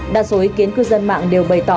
đa số ý kiến cư dân mạng đều bày tỏ